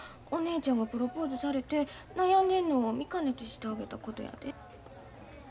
お姉ちゃんがプロポーズされて悩んでんのを見かねてしてあげたことやで。